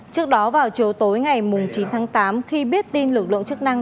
trước đó vào chiều tối ngày chín tháng tám khi biết tin lực lượng chức năng